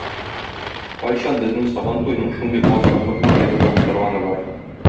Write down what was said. Кайчан безнең Сабантуйның шундый азгынлык үрнәге булып торганы бар?!